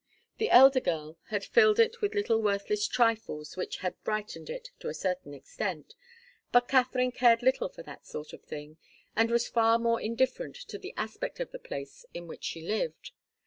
The elder girl had filled it with little worthless trifles which had brightened it to a certain extent; but Katharine cared little for that sort of thing, and was far more indifferent to the aspect of the place in which she lived.